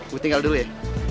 gue tinggal dulu ya